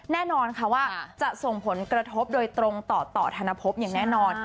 แน่นอนค่ะว่าจะส่งผลกระทบโดยตรงต่อธนภพอย่างแน่นอน